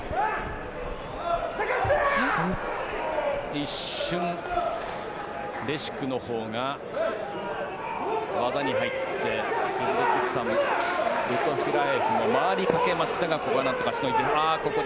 一瞬、レシュクのほうが技に入ってウズベキスタンのルトフィラエフが回りかけましたがここはなんとかしのいで。